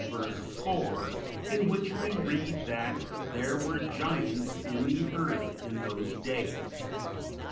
4) in which we read that "there were giants in the earth in those days."